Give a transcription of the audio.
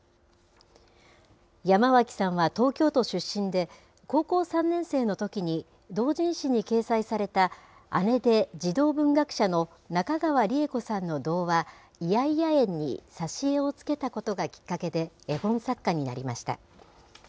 山脇さんは東京都出身で、高校３年生のときに、同人誌に掲載された姉で児童文学者の中川李枝子さんの童話、いやいやえんに挿絵をつけたことがきっかけで、絵本作家になりました。